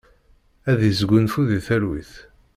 Ad isgunfu di talwit.